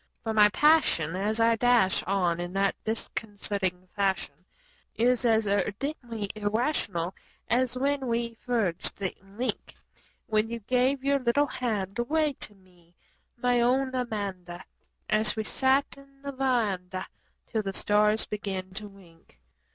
For my passion as I dash on in that disconcerting fashion Is as ardently irrational as when we forged the link When you gave your little hand away to me, my own Amanda As wo sat 'n the veranda till the stars began to wink.